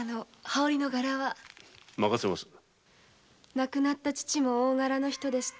亡くなった父も大柄の人でした。